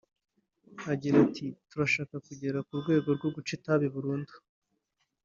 Agira ati “Turashaka kugera ku rwego rwo guca itabi burundu